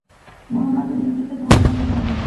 মুহাম্মাদের-নেতৃত্বের ধারণা তোমার নেই।